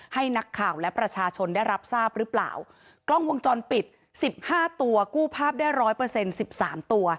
ให้นักข่าวและประชาชนได้รับทราบหรือเปล่ากล้องวงจรปิดสิบห้าตัวกู้ภาพได้ร้อยเปอร์เซ็นต์สิบสามตัว